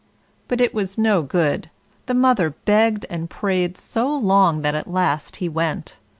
But it was no good, the mother begged and prayed so long that at last he went.